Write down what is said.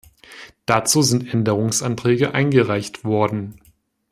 Dazu sind Änderungsanträge eingereicht worden.